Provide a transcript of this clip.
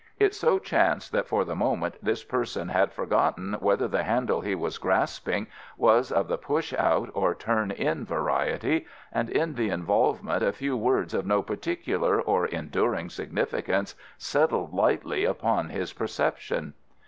"It so chanced that for the moment this person had forgotten whether the handle he was grasping was of the push out or turn in variety, and in the involvement a few words of no particular or enduring significance settled lightly upon his perception.